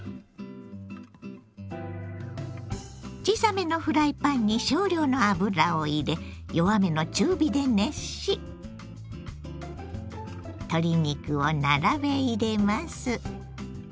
小さめのフライパンに少量の油を入れ弱めの中火で熱し鶏肉を並べ入れます。